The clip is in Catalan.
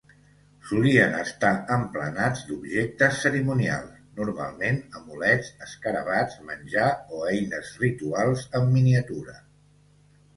Solien estar emplenats d'objectes cerimonials, normalment amulets, escarabats, menjar o eines rituals en miniatura.